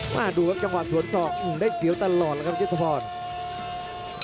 มาดูครับจังหวะสวนศอกได้เสียวตลอดแล้วครับยุทธพร